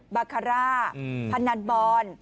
บาคาร่าพนันบอล